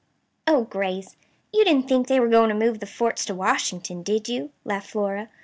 "Oh, Grace! You didn't think they were going to move the forts to Washington, did you?" laughed Flora.